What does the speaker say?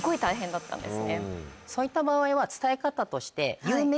そういった場合は伝え方として。